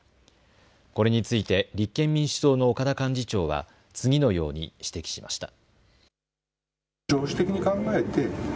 これについて立憲民主党の岡田幹事長は次のように指摘しました。